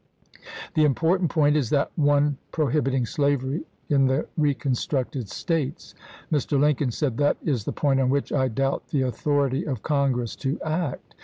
The important point is that one prohibiting slavery in the reconstructed States." Mr. Lincoln said: "That is the point on which I doubt the authority of Congress to act."